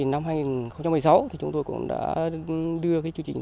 năm hai nghìn một mươi sáu thì chúng tôi cũng đã đưa chương trình